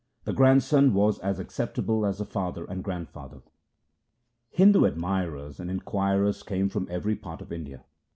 The grandson was as acceptable as the father and grand father. Hindu admirers and inquirers came from every part of India.